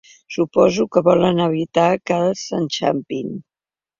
Suposo que volen evitar que els enxampin.